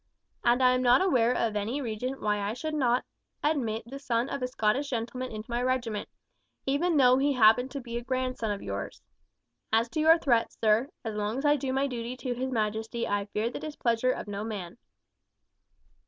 And I am not aware of any reason why I should not admit the son of a Scottish gentleman into my regiment, even though he happen to be a grandson of yours. As to your threat, sir, as long as I do my duty to his majesty I fear the displeasure of no man."